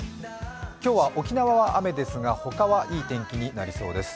今日は沖縄は雨ですが他はいい天気になりそうです。